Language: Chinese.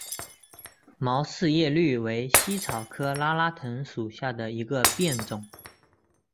毛四叶葎为茜草科拉拉藤属下的一个变种。